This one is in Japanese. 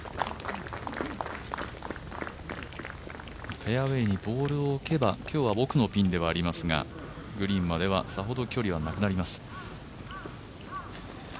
フェアウエーにボールを置けば、今日は奥のピンではありますがグリーンまではさほど距離はなくなります。